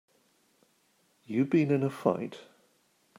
You been in a fight?